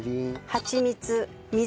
はちみつ水。